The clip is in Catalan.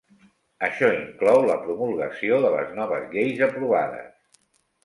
Això inclou la promulgació de les noves lleis aprovades.